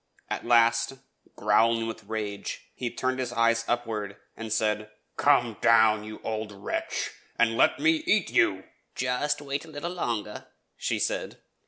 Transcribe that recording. At last, growling with rage, he turned his eyes upward, and said, "'Come down, you old wretch, and let me eat you.'' "Just wait a little longer," she said.